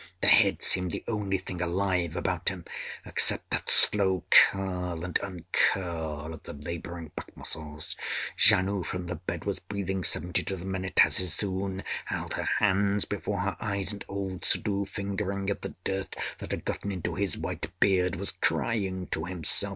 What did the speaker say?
The head seemed the only thing alive about him, except that slow curl and uncurl of the laboring back muscles. Janoo from the bed was breathing seventy to the minute; Azizun held her hands before her eyes; and old Suddhoo, fingering at the dirt that had got into his white beard, was crying to himself.